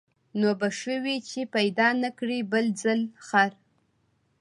نو به ښه وي چي پیدا نه کړې بل ځل خر